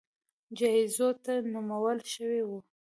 جایزو ته نومول شوي وو